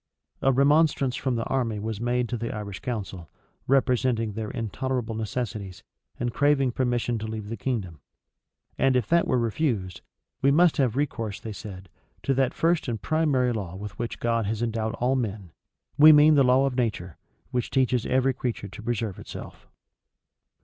A remonstrance from the army was made to the Irish council, representing their intolerable necessities, and craving permission to leave the kingdom: and if that were refused, "We must have recourse," they said, "to that first and primary law with which God has endowed all men; we mean the law of nature, which teaches every creature to preserve itself."